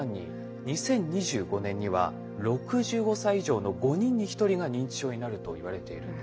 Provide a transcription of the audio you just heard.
２０２５年には６５歳以上の５人に１人が認知症になるといわれているんです。